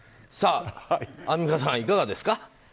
アンミカさん、いかがですか？